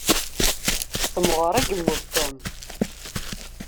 S temɣer i yemmut Tom.